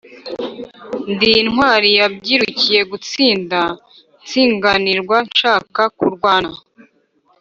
ndi intwali yabyirukiye gutsinda, nsinganirwa nshaka kurwana